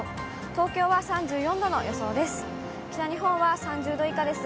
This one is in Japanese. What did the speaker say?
東京は３４度の予想です。